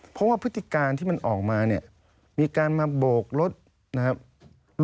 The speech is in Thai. เพราะว่าพฤติการที่มันออกมาเนี่ยมีการมาโบกรถนะครับ